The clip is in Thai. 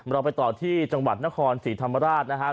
เราไปต่อที่จังหวัดนครศรีธรรมราชนะครับ